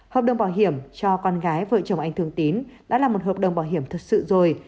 hợp đồng bảo hiểm cho con gái vợ chồng anh thường tín đã là một hợp đồng bảo hiểm thật sự rồi